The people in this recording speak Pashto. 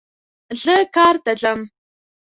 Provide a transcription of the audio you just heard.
زه کار ته ځم